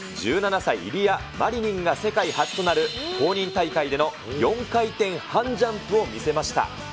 １７歳、イリア・マリニンが世界初となる公認大会での４回転半ジャンプを見せました。